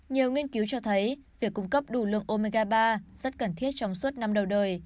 nhiều nghiên cứu cho thấy việc cung cấp đủ lượng omiga ba rất cần thiết trong suốt năm đầu đời